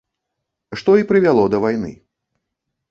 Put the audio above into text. Што і прывяло да вайны.